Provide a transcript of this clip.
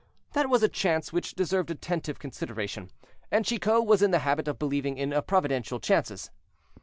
That was a chance which deserved attentive consideration, and Chicot was in the habit of believing in providential chances.